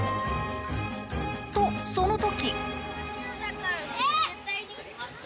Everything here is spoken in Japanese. と、その時。